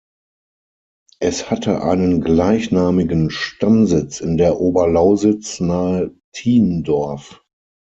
Es hatte einen gleichnamigen Stammsitz in der Oberlausitz nahe Thiendorf.